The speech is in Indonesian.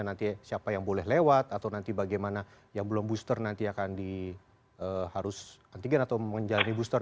nanti siapa yang boleh lewat atau nanti bagaimana yang belum booster nanti akan diharus antigen atau menjalani booster